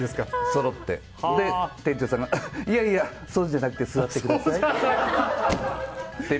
そしたら店長さんがいやいや、そうじゃなくて座ってくださいって。